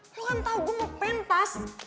lo kan tau gue mau paint tas